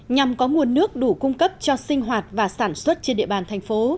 nhằm có nguồn nước đủ cung cấp cho sinh hoạt và sản xuất trên địa bàn thành phố